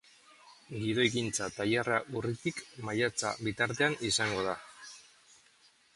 Gidoigintza tailerra urritik maiatza bitartean izango da.